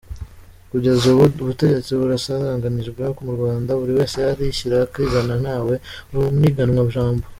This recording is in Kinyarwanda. Kugeza ubu ubutegetsi burasaranganijwe mu Rwanda, buri wese arishyira akizana, ntawe uniganwa ijambo.